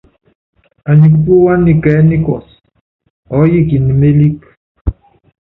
Anyi kupúwá nikɛɛ́ nikɔ́si, ɔɔ́yikini mélíkí.